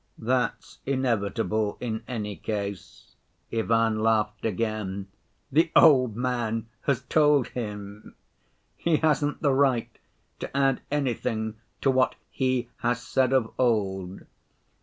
"That's inevitable in any case," Ivan laughed again. "The old man has told Him He hasn't the right to add anything to what He has said of old.